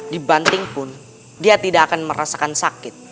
dibanting pun dia tidak akan merasakan sakit